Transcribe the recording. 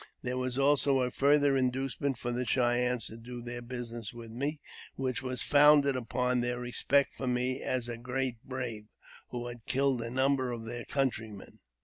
There was also a farther inducement for the Cheyennes to do their business with me, which was founded upon their respect for me as a great brave, who had killed a number of their countrymen.